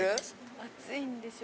・熱いんでしょ。